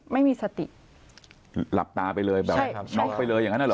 ไม่มีสติหลับตาไปเลยแบบน็อกไปเลยอย่างนั้นเหรอ